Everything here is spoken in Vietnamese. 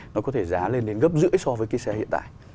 nó có thể giá lên đến gấp rưỡi so với cái xe hiện tại